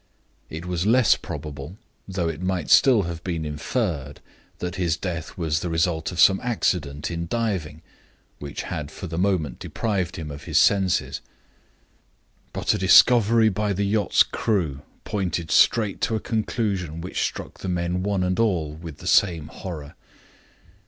It was less probable though it might still have been inferred that his death was the result of some accident in diving, which had for the moment deprived him of his senses. But a discovery made by the yacht's crew pointed straight to a conclusion which struck the men, one and all, with the same horror.